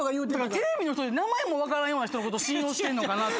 「テレビ」の人って名前も分からんような人のこと信用してんのかなって。